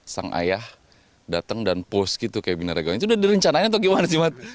bang ayah datang dan pos gitu kayak binarnya itu udah direncanain atau gimana sih mat